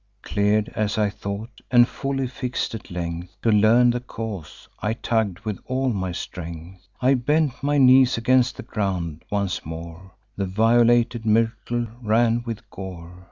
Clear'd, as I thought, and fully fix'd at length To learn the cause, I tugged with all my strength: I bent my knees against the ground; once more The violated myrtle ran with gore.